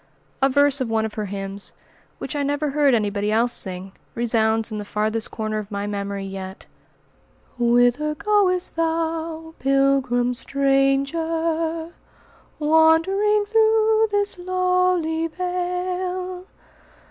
A verse of one of her hymns, which I never heard anybody else sing, resounds in the farthest corner of my memory yet:" "Whither goest thou, pilgrim stranger, Wandering through this lowly vale?